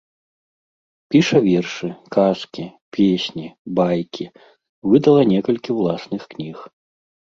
Піша вершы, казкі, песні, байкі, выдала некалькі ўласных кніг.